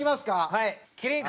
はい。